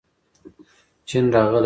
چین راغلی دی.